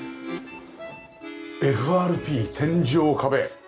ＦＲＰ天井壁。